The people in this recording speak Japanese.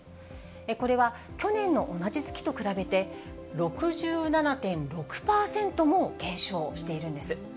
これは、去年の同じ月と比べて６７．６％も減少しているんです。